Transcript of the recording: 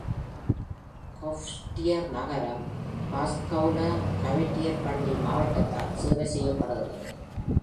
'காவ்ட்டியர் நகரம்', பாஸ்ககௌல-காவ்ட்டியர் பள்ளி மாவட்டத்தால் சேவை செய்யப்படுகிறது.